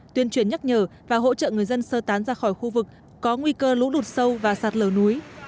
tuyên truyền nhắc nhở và hỗ trợ người dân sơ tán ra khỏi khu vực có nguy cơ lũ lụt sâu và sạt lở núi